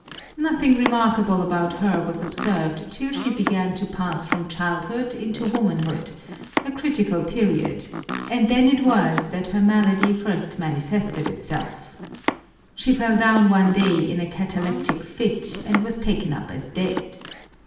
Nothing remarkable about her was observed till she began to pass from childhood into womanhood, a critical period, and then it was that her malady first manifested itself. She fell down one day in a cataleptic fit, and was taken up as dead.